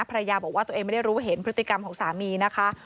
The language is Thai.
ภรรยาบอกว่าตัวเองไม่ได้รู้เห็นพฤติกรรมของสามีนะคะ